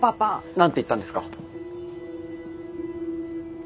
何て言ったんですか？